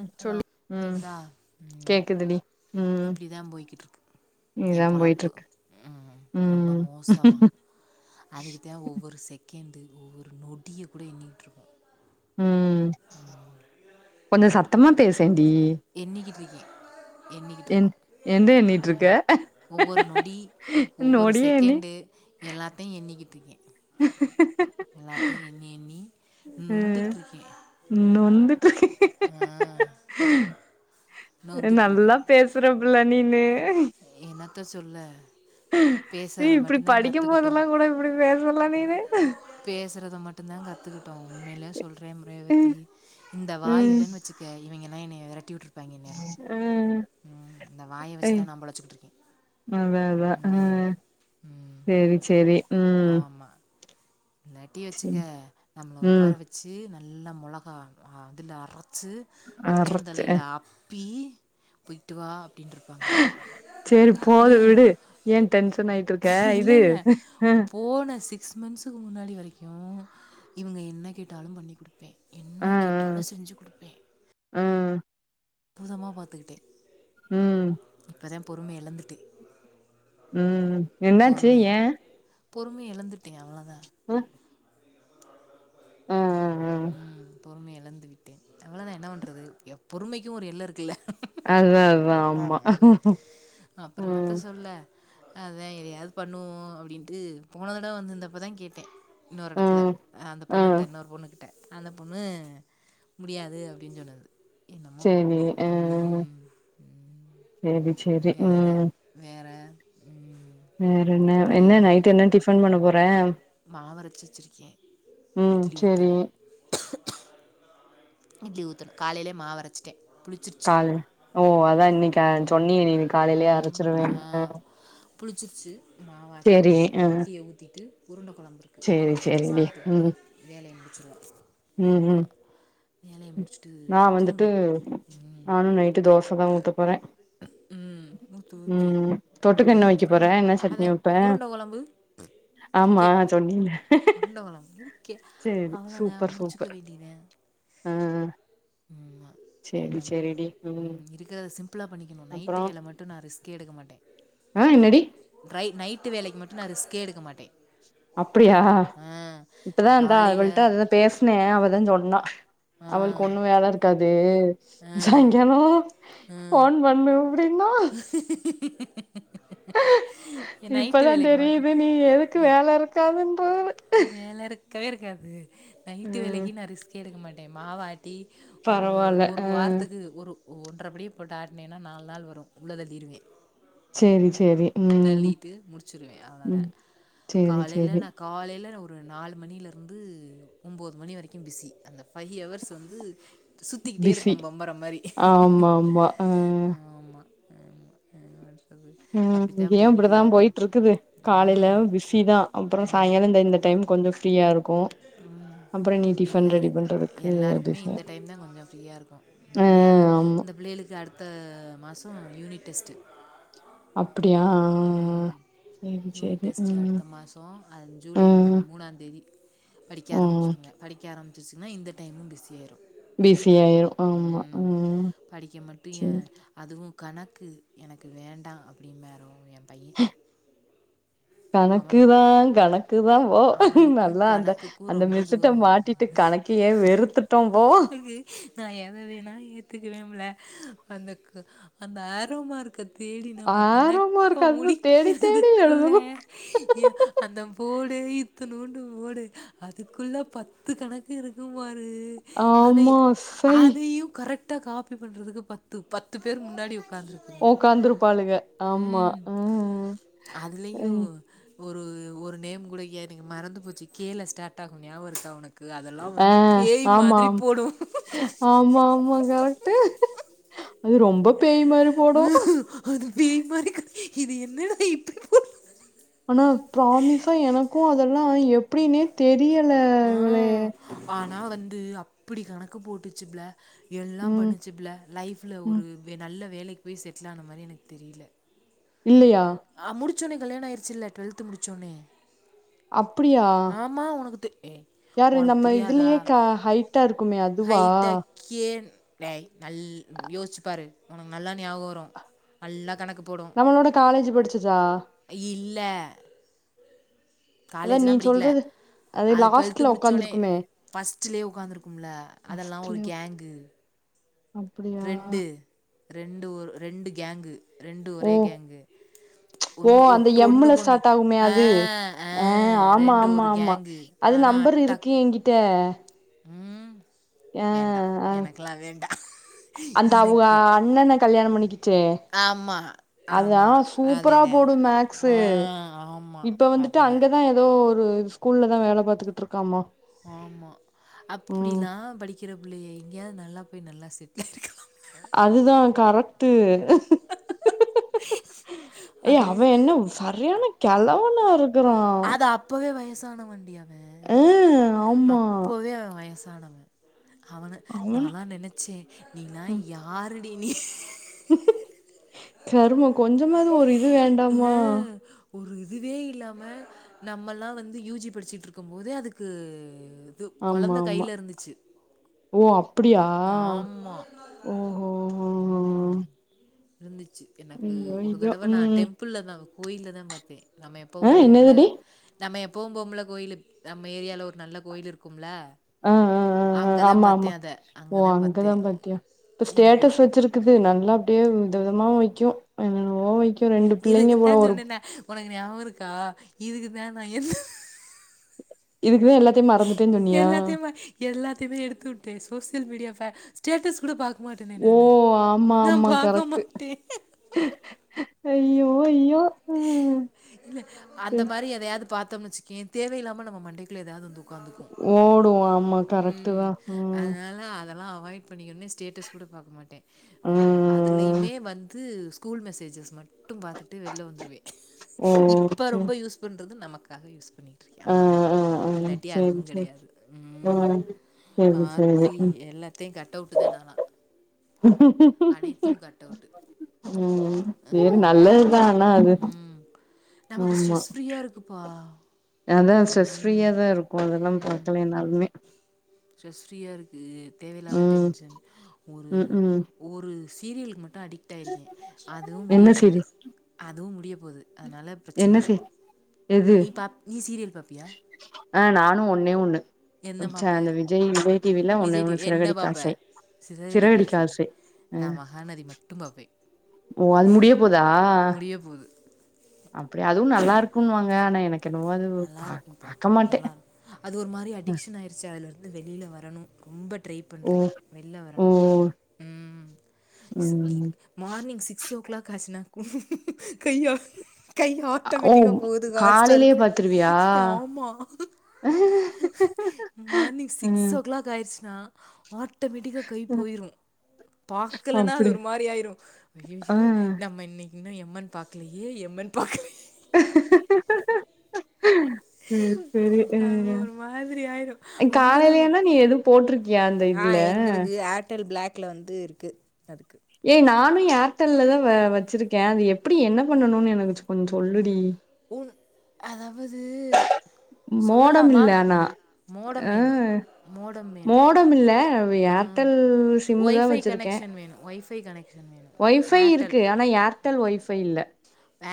ம் ஹலோ சொல்லு ம் கேக்குதா ம் கேக்குதுடி ம் இப்டிதா போய்கிட்டு இருக்கு எ இதா பொழப்பு போயிட்ருக்கு ம் ரொம்ப ம் மோசமா அதுக்குதே ஒவ்வொரு செகண்டு ஒவ்வொரு நொடிய கூட எண்ணிட்டுருக்க ம் கொஞ்சோ சத்தமா பேசே என்ணிகிட்டு இருக்கே எண்ணிக்கிட்டு் என் இருக்கோ எந்த எண்ணிட்ருக்க ம் ஒவ்வொரு நொடி ஒவ்வொரு நொடிய எண்ணி செகண்டு எல்லாத்தையு எண்ணி கே எல்லாத்தையு எண்ணி எண்ணி ம் நொந்துகிட்டு இருக்கே நொந்துட்ருக்க அ நல்லா பேசுறபுல்ல நீனு எனக் த்த சொல்ல ஏ பேசுறத இப்டி மட்டுந்தா படிக்கும் கத்துக்குட்டோ போதெல்லா கூட இப்டி பேசல நீனு பேசுறத மட்டுந்தா கத்துக்குட்டோ உண்மேலே சொல்ற ரேவதி இந்த வாய் ம் இல்லன்னு வச்சுக்க இவிங்கங்களா என்னய வெறட்டி உட் பாங்க இந்நேரோ ஆ ம் இந்த வாய வச்சு தான் நான் பொழைச்சிக்கிட்டு இருக்கேன் அதா அதா ம் ம் சேரி சேரி ம் நட்டி சேரி வச்சக்க நம்ம ம் உக்கார வச்சி ந நல்லா மொளகா அதுல அர ச்சு அரைச்ச உச்சந்தலையில அப் அப்பி போய்ட்டு வா அப்டின்ருப்பாங்க சேரி போது விடு ஏ டென்ஷன் ஆய்ட்டு இருக்க இது அ சிக்ஸ் மந்த்ஸ்குக்கு முன்னாடி வரைக்கு இவங்க என்ன கேட்டாலு பண்ணி் குடுப்பே ஆ என்ன கேட்டாலு ஆ செஞ்சு குடுப்பே ஆ அற்புதமா பாத்துக்கிட்டே ம் இப்போதா பொறும எழந்துட்டே ம் என்னாச்சு ஏ பொறுமைய எழந்துட்டே அவ்ளதா அ ஆ ஆ ஆ ம் பொறுமைய எழந்து விட்டே. அவ்ள தா என்ன பண்றது எ பொறுமைக்கு ஒரு எல்லை இருக்குல்ல. அதா அதா ஆ ஆமா அப்றொ என்னத்த ம் சொல்ல அதா எதையாவது பண்ணுவோ அப்டின்ட்டு போன தடவ வந்துருந்தப்பதா கேட்டே. இன்னோரு ஆ எடத்துல அந்த ஆ பொண்ணுகிட்ட இன்னோரு பொண்ணுகிட்ட. அந்த பொண்ணு முடியாது அப்டின்னு சொன்னது. என்னமோ செரி அ அ ம், செரி செரி ம் வேற் வேற என்ன என்ன நைட் என்ன டிஃபன் பண்ண போற மாவரைச்சு வச்சுருக்கே ம் இட்லி சேரி ஊத்தணு. இட்லி ஊத்தணு காலயிலே மாவு அரச்சுட்டே. காலை ஓ அதா இன்னிக்கி அ ம் சொன்னீங்க நீங்க காலையிலேயே அரைச்சுருவேன்ட்டு புளுச்சுருச்சு மாவாட்டி இட்லிய ஊத்திட்டு உருண்ட கொழம்பு இருக்கு. அத சேரி வச்சு சேரிடி சாப்ட்டுட்டு ம் வேலைய முடுச் செரி ம் ம் வேலைய முடுச் நா வந்துட்டு நானு நைட்டு தோசதா ஊத்த போறே. ம் ஊற்று ஊற்று ம் தொட்டுக்க நல்லா என்ன வக்க ஊற்றி போற? என்ன சட்னி அது வப்ப? உருண்டை குழம்பு ஆமா சொன்னில்ல. உருண்ட கொழம்பு இருக்கே. அவ்ளோதா சூப்பர் முடிச்சுக்க சூப்பர் வேண்டியதா. ஆ ம் சேரி என்னமோ சேரிடி ம் இருக்றத சிம்பிளா பண்ணிக்கணு நைட்டு அப்றோ வேல மட்டு நா ரிஸ்க்கே எடுக்க மாட்டே. ஆ என்னடி ட்ரை நைட் நைட் வேளைக்கி மட்டு நா ரிஸ்க்கே எடுக்க மாட்டே. அப்டியா இப்பதா இருந்தா காலையில அவள்ட்ட அதா பேஸ்னே. அவதா சொன்னா. ஆ அவளுக்கு ஒண்ணு வேல இருக்கா அது ஆ சாய்ங்காலோ ஆ ஃபோன் பண்ணு அப்டின்னா நைட்டு இப்பதா வேலைக்கு மட்டும் தெரியுது நீ எதுக்கு வேல இருக்காதுன்னு வேல இருக் இருக்கவே இருக்காது நைட்டு ம் வேலைக்கி நா ரிஸ்கே எடுக்க மாட் டேய் மாவ ஆட் பத்தி ஒரு பரவால்ல ஆ ஒரு வாரத்துக்கு ஒரு ஒன்றபப்படி போட்டு ஆட்டினேன்னா நாலு நாள் வரும் உள்ள தள்ளிருவேன் சேரி சேரி ம் தள்ளிட்டு முடிச்சிருவேன் ம் அவ்ளோதான் சேரி காலையில சேரி நான் காலையில ஒரு நாலு மணியில இருந்து ஒன்பது மணி வரைக்கும் பிஸி அந்த பைவ் வர்ஸ் வந்து சுற்றிக்கிட்டே பிசி இருப்போம் பம்பரம் மாதிரி ஆமா ஆமா அஹ் ஆமாம் ஆமாம் என்ன பண்ணுறது உஹம் அப்படித்தான் இங்கேயும் போய்க்கிட்டே இப்படித்தான் இருக்கு போயிட்டு இருக்குது காலையில ம், பிஸி தான் அப்புறம் சாய்ங்காலம் இந்த இந்த டைம் கொஞ்சோ ஃப்ரீயா இருக்கு உ அப்றோ நீ டிஃபன் ரெடி எல்லாருக்கு பண்றதுக்கு எல்லாருக்குமே பிஸி இந்த டைம் தான் கொஞ்சம் ஃப்ரீயா இருக்கும் இந்த ஆ பிள்ளை அது ஆமா இந்த பிள்ளைகளுக்கு அடுத்த மாசம் ஆ யூனிட் டெஸ்ட்டு அப்படியா அ உ ம் ச்சேரி யூனிட் ச்சேரி டெஸ்ட்டு ம் அடுத்த ம் உதவி படிக்க ஆரம்பிச்சிருங்க படிக்க ஆரம்பங் [unintelligible] இந்த டைமும் பிசியாயிரும் பிசி ஆயிரும் ஆமா ம் படிக்க மட்டும் ச்சேரி என் அதுவும் கணக்கு எனக்கு வேண்டாம் அப்படிமாரும் என் பையன் கணக்குதா அவனுக்கும் கணக்குதா போ அவனுக்கும் நல்லா அந்த கணக்குக்கும் அந்த ரொம்ப மிஸ்ட்ட தூரம் மாட்டிட்டு கணக்கையே வெறுத்துட்டோ போ நான் எதை வேணா ஏத்துக்குவேம்ல அதுக்கு அந்த ஆரோ மார்க் தேடி நம்ம கணக்க ஆரமா இருக்கு அது தேடி தேடி முடிக்கிறதுக்குள்ளே எழுதணு ஏ அந்த போடே நோண்டும் போது அதுக்குள்ள பத்து கணக்கு இருக்கும் பாரு அது அதை ஆமா சை அதையும் கரெக்ட் காபி பண்றதுக்கு பத்து பத்து பேர் முன்னாடி உக்காந்துருக்குங்க உக்காந்துருப்பாளுங்க ஆமா ம் ம் அதுலயு ம் ஒரு ஒரு நேம் கூட எனக்கு மறந்து போச்சு கீழே ஸ்டார்ட் ஆகும் ஞாபக இருக்கா உனக்கு அதெல்லா வந்து ஆஹ் பேய் ஆமா மாதிரி போடு ஆ ஆமா ஆமா கரெக்ட்டு நீ ரொம்ப பேய் மாரி போடு ம் அது பேய் மாறி கத்தி இது என்னனடா இப்படி போ ஆனா ப்ராமிசா எனக்கும் அதெல்லாம் எப்படினே தெரிய தெரியல இவளே நா வந்து அப்படி கணக்கு போட்டுச்சு புல்ல எல்லாம் ம் பண்ணச்சு புல லைஃப்ல ஒரு ம் நல்ல வேலைக்கு போய் செட்டில் ஆன மாரி எனக்கு தெரில இல்லயா சொன்னே கல்யாணோ ஆயிடுச்சுல டுவல்து முடிச்சொன்னே அப்டியா உனக்கு தெ ஏய் யாரு உனக்கு நம்ம தெரியாதா இதுலயே கா ஹைட்டா இருக்குமே அதுவா ஏய் நல் யோச்சுப்பாரு உனக்கு நல்லா ஞாபக வரு நல்லா கணக்கு போடும் நம்ளோட காலேஜ் படி சுசா இல்ல அதா நீ காலேஜ்ல்லா படிக்கல சொல்றது அது டுவெல்த்து லாஸ்ட்ல முடிச்சோனே உக்காந்துருக்குமே ஃபஸ்ட்லயே உக்காந்துருக்கும்ல அதெல்லா ஒரு ஃபஸ்ட்லயு கேங்கு அப்டியா ரெண்டு ரெண்டு ஒரு ரெண்டு கேங்கு ரெண்டு ஓ ஒரே கேங்கு ஓ ஒன்னு அந்த ஒட் எம்முல ஒண்ணுக்கு ஒண்ணு ஸ்டார்ட் ஆகுமே ஆ அது ஆ ஆமா ரெண்டு ஆமா ஒரு ஆமா கேங்கு அது ஆனா நம்பர் அட்டக் இருக்கு என்கிட்ட ம் ஆ வேண்டா ஆ எனக்கெல்லா வேண்டா அந்த அவங்க எனக்கு அண்ணன கல்யாணம் பண்ணிக்குச்சே ஆமா அதா ஆமா சூப்பரா அதேதே போடு மேக்சு ஆ ஆமா இப்ப வந்துட்டு பாத்துக்க அங்கதா ஏதோ இது ஸ்கூல்ல தா வேல பாத்துகுட்டு இருக்காமா ஆமா ம் அப்டிலா படிக்கிற பிள்ளைய எங்கயா நா ல்லா போய் நல்லா செட்டில் ஆய் இருக்கலா அதுதா கரெக்டு ஏய் அது அவ என்ன சரியான கெலவனா இ அது அப்பவே வயசு சானவண்டி அவ் ஆ ஆமா ஆனவ அவன அவனா நால்லா நெனச்சே நீ நா ம் யாரு டி நீ கருமோ கொஞ்சமாவது ஒரு இது ஆ வேண்டாமா ஒரு இதுவே இல்லாம நம்மலா வந்து யூஜி படிச்சுட்டுருக்கும் போது அதுக்கு இது ஆமா குழந்த ஆமா கையில இருந்துச்சு ஓ அப்டியா ஆமா. ஓஹோ ஓ ஓ வந்து எனக்கு ஒரு தடவை நா டெம்பிள் தா கோயில் தா பாத்தே நம்ம எப்பவு ஆ போவோம்ல என்னதுடி நம்ம இப்பவு போம்புல கோயிலு நம்ம ஏரியால ஒரு நல்ல கோயிலு இருக்கும்ல ஆ ஆ ஆ ஆ. அங்கதா ஆமா பாத்தே ஆமா அத ஓ அங்கதா பாத்தே அங்கதான் பாத்தியா இப்ப எனக்கு ஸ்டேட்டஸ் வச்சிருக்குது நல்லா அப்டியே வித விதமா வைக்கு என்னென்னோ [unintelligible] ரெண்டு பிள்ளைங்க இதுக்குத்தா போல ஒரு சொன்னேனே உனக்கு ஞாபம் இருக்கா இதுக்குதான் நான் எ இதுக்குதா எல்லாத்தையு மறந்துட்டேன்னு சொன்னியா எல்லாத்தையு எல்லாத்தையுமே எடுத்து உட்டே சோசியல் மீடியா ஸ்டேட்டஸ் கூட பாக் ஓ ஆமா ஆமா கரெக்ட்டு மாட்டே அய்யோ அய்யோ [inaudible] அந்த மாதிரி எதையாவது பத்த [unintelligible] தேவை இல்லாம நம்ப மண்டைக்குல்ல ஏதாவது வ ஓடுவோ ஆமா கரெக்ட்டுதா ம் அதெல்லா அவாய்ட் பண்ணிக்கணு ஸ்டேட்டஸ் கூட பாக்க மாட்டே ஓ ம் அதுலயுமே வந்து இது ஸ்கூல் மெசேஜஸ் மட்டு மட்டும் பாத்துட்டு வெளில வந்துருவே ஓ இப்ப சரி ரொம்ப யூஸ் பண்றது நம [unintelligible] பண்ணிட்ருக்கே ஆ அவ்ளோதா ஆ ஆ இல்லாட்டி சரி அதுவு சரி கெடையாது ம் சரி சரி ஆத்தி எல்லாத்தையு கட்டவுட்டு்தா நாலா அனைத்து கட் அவுட்டு ம் சரி ம் நல்லதுதா ஆனா அது ம் நமக்கு ஆமா ஸ்ட்ரெஸ் ஃப்ரீயா இருக்குப்பா அதா ஸ்ட்ரெஸ் ம். ஃரீயா தா இருக்கு அதெல்லா ம். பக்கல்லாலுமே ஸ்ட்ரெஸ் ஃப்ரீயா இருக்கு தேவையில்லாத ம் டென்ஷன் ஒரு ம் ம் ஒரு சீரியல்கு மட் டு அடிக்ட் ஆயிருக்கே அதுவு என்ன முடிய போது சீரிஸ் அதுவு முடியப் போது அதனால பிரச்சன என்ன இல்ல சீ எது நீ பாப் நீ சீரியல் பாப்பியா ஆ நானு ஒன்னே ஒண்ணு என்ன ச்ச பாப்ப அந்த விஜய் விஜய் டிவில ஒன்னே விஜய் டி ஒண்ணு என்ன சிறகடிக்க பாப்பே ஆசை சிரகடிக்கு ஆசை ஆ நா மகாநதி மட்டு பாப்பே ஓ அது முடிய போதா முடிய போகுது அப்டி அதுவு நல்லாருக்கும்ன்னு வாங்க ஆனா எனக்கு என்னவோ அது பா நல்லாருக்கும்ப்பா பாக்க மாட்டே நல்லாருக்கு அது ஒரு மாரி அடிக்ஷன் ஆயிருச்சு அதுலருந்து வெளியில வரணு ரொம்ப ட்ரை ஓ பண்ணுறே வெள்ல ஓ வரணு ம் சி இ ம் மார்னிங் சிக்ஸ் ஓ கிளாக் காசினா கய்யா கை ஓ ஆட்டோமேட்டிக்க போகுது காஹட் காலையிலயே ஸ்டாருக்கு பாத்துருவியா ஆமா மார்னிங் சிக்ஸ் ம் ஓ கிளாக் ஆயிருச் ச்சினா ஆட்டோமேட்டிக்காக கை போயிரு பாக்கலைனா அது அப்டி ஒரு மாரி ஆயிரு ஆ ஜயயோ நம்ம இன்னைக் இன்னு எம்மன் பாக்கலயே எம்மன் பாக்கலயே சரி சரி அது ஒரு மாதிரி ஆயிரு அ அந்தளவ் காலையிலனா நீ எதுவு போட்டிருக்கியா அந்த ஆ இதுல எங்களுக்கு ஏர்டெல் பிளாக் குல வந்து இருக்கு அதுக்கு ஏனா நானு ஏர்டெல்லதா வ வச்சிருக்கே அது எப்டி என்ன பண்ணணுனு எனக்கு கொஞ்ச சொல்லுடி உம் அதாவது மோடம் சொல்லலாமா இல்ல ஆனா மோடம் ஆ வேணு மோடம் வேணு மோடம் இல்ல ம் ஏர்டெல் ஒய்பை கனெக்ஷன் வேணு ஒய்பை [unintelligible] ஒய்பை இருக்கு ஆனா ஏர்டெல் ஒய்ப் இப்ப இல்ல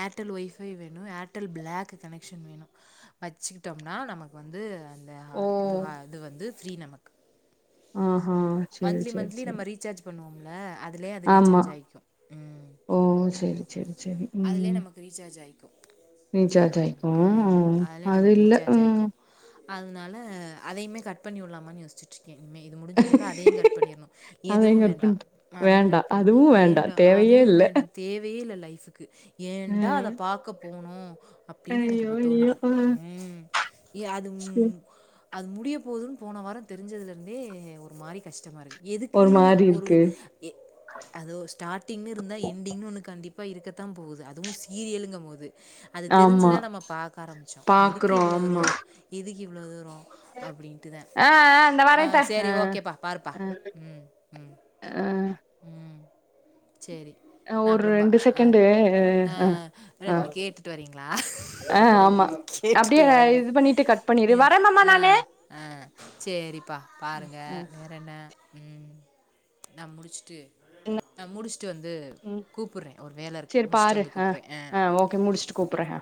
ஏர்டெல் ஒய்ஃபை வேணு ஏர்டெல் பிளாக் கனெக்ஷன் வேணு வச்சுக்கிட்டோம்னா நமக்கு வந்து அந்த ஓ ஹாட் இது இது வந்து ஃப்ரி நமக்கு ஆஹா சேரி சேரி சேரி ல அ அதுலே அது ரீசார்ஜ் ஆய்க்கு ம் சேரி அதுலே நமக்கு ரீசார்ஜ் ஆய் ரீசார்ஜ் ஆய்க்கு அதிலே அது நமக்கு இல்ல ரீசார்ஜ் ம் ஆகிக்கும் அதனால அதையுமே கட் பண்ணி உட்லாமான் யோசிச்சிட் கே இன்மே இது முடிஞ்சதோட அதையு கட் பண்ணிற்னோ எதுவு அதையு கட் வேண்டா பண்ட்ட அதையு வேண்டா கட் பண்ணி அதுவு வேண்டா தேவையே அதுவு இல்ல வேண்டா தேவைய இல்ல லை க்கு ஏன்டா அத ம் பாக்கப் போனோ அப்டின் எனக் ஐயோ இப்ப ஐயோ தோனுது ஆ ம் ஏ அது உன் அது முடிய போதுன் போன வாரோ தெரிஞ்சத்லேருந்தே ஒரு மாரி கஷ்டமா இருக்கு எதுக்கு ஒரு மாரி ஒரு இருக்கு எ அதோ ஸ்டாடிங்னு இருந்தா எண்டிங்னு ஒன்னு கண்டிப் பா இருக்கத் தா போகுது அதுவு சீரியலுங்க போது அது ஆமா தெரிஞ்சுதா நம்ம பாக்க ஆரம்பிச்சோ எதுக்கு பாக்குறோ இவ்ளோ தூரௌ எதுக் இவ்ளோ தூரோ அ அ இந்த வரேன்தா அ சரி ஓகேப்பா. பாருப்பா. அ ம். ம். அ ம் செரி ஆ நா ஒரு அப்புறம் பா ரெண்டு அ செகண்டு அ ஆ அ ஆ கேட்டுட்டு வரீங்ளா ஆ ஆமா அப்டியே கேட்டுட்டு வாங்க இது பண்ணிட்டு கட் பண்ணிரு வரே மாமா அ அ நானு அ செரிப்பா பாருங்க ஆ வேற என்ன ம் நா முடிச்சுட் டு நா முடிஷ் சு வந்து ம் கூப்புறே ஒரு வேல இருக்கு சேரி முடிஸ்ட்டு பாரு வந்து ஆ கூப்புறே அ ஆ ஓகே முடிச்சுட்டு கூப்புட்றே ஆ